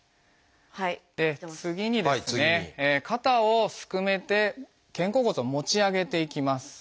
次にですね肩をすくめて肩甲骨を持ち上げていきます。